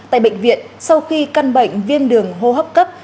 tại bệnh viện sau khi căn bệnh viêm đường hô hấp cấp